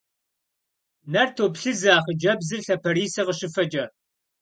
Нэр топлъызэ а хъыджбзыр лъапэрисэ къыщыфэкӏэ.